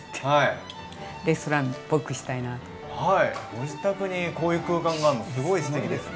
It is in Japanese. ご自宅にこういう空間があるのすごいすてきですね。